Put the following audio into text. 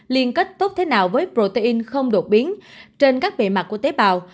liên kết tốt thế nào với protein không đột biến trên các bề mặt của tế bào